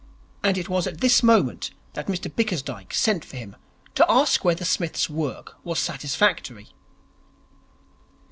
And it was at this moment that Mr Bickersdyke sent for him to ask whether Psmith's work was satisfactory.